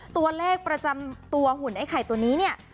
ตัวเลขประจำตัวหุ่นไอ้ไข่ตัวนี้เนี่ย